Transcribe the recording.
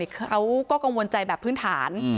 เขาก็กังวลใจแบบพื้นฐาน